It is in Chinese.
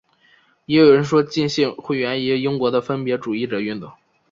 也有人说浸信会源于英国的分别主义者运动。